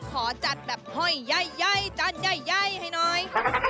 ขอจัดแบบหอยไยจัดไยให้หน่อย